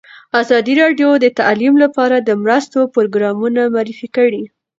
ازادي راډیو د تعلیم لپاره د مرستو پروګرامونه معرفي کړي.